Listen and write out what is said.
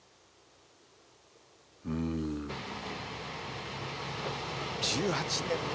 「うーん」「１８年前」